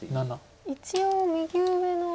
一応右上の。